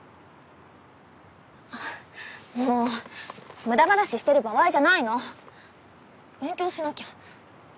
あっもう無駄話してる場合じゃないの勉強しなきゃ。